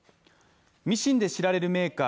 ミシンで知られるメーカー